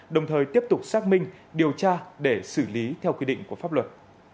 đồng thời tiếp tục xác minh điều tra để xử lý theo quy định của pháp luật